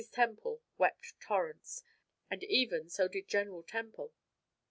Temple wept torrents, and even so did General Temple.